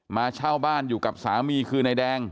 เช่าบ้านอยู่กับสามีคือนายแดง